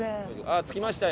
着きましたよ。